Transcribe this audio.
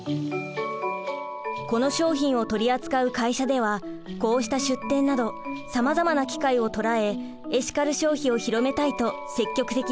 この商品を取り扱う会社ではこうした出店などさまざまな機会を捉えエシカル消費を広めたいと積極的に活動しています。